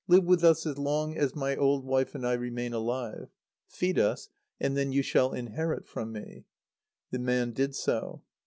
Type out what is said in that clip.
Live with us as long as my old wife and I remain alive. Feed us, and then you shall inherit from me." The man did so.